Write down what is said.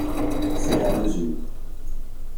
c’est la mesure…